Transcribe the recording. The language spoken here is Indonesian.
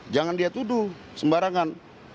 jangan dia tuduh sembarangan